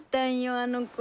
あの子。